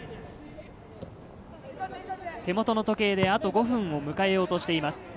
手元の時計であと５分を迎えようとしています。